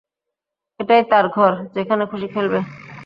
এটাই তার ঘর, যেখানে খুশী খেলবে।